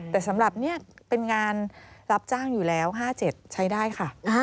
แต่สำหรับนี่เป็นงานรับจ้างอยู่แล้ว๕๗ใช้ได้ค่ะ